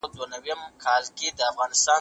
دولت د تکنالوژي د راوړلو هڅه کوله.